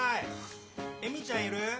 ・恵美ちゃんいる？